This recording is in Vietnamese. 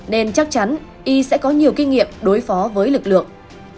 nên chắc chắn y sẽ có nhiều kinh nghiệm đối phó với lực lượng